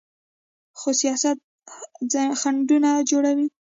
خو سیاست خنډونه جوړوي.